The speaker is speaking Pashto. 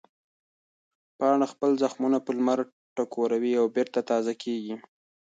پاڼه خپل زخمونه په لمر ټکوروي او بېرته تازه کېږي.